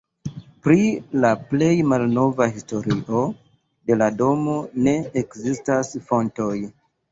Pri la plej malnova historio de la domo ne ekzistas fontoj.